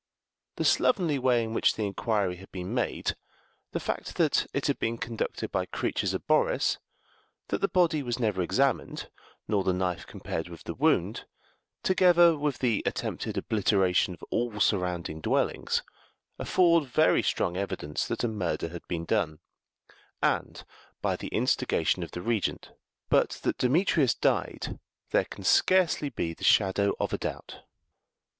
The slovenly way in which the inquiry had been made, the fact that it had been conducted by creatures of Boris, that the body was never examined, nor the knife compared with the wound, together with the attempted obliteration of all surrounding dwellings, afford very strong evidence that a murder had been done, and by the instigation of the Regent; but that Demetrius died there can scarcely be the shadow of a doubt.